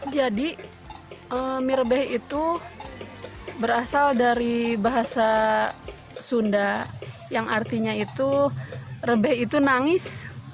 jadi mie rebhe itu berasal dari bahasa sunda yang artinya itu rebhe itu nangis